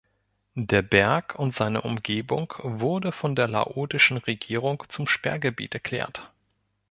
Der Berg und seine Umgebung wurde von der laotischen Regierung zum Sperrgebiet erklärt.